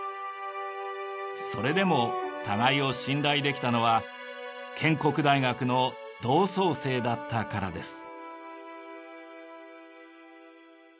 それでも互いを信頼できたのは建国大学の同窓生だったからです。